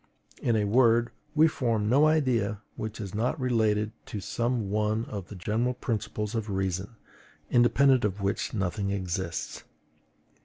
in a word, we form no idea which is not related to some one of the general principles of reason, independent of which nothing exists.